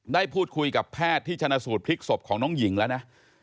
ได้พูดคุยกับแพทย์ที่ชนะสูตรพลิกศพของน้องหญิงแล้วนะ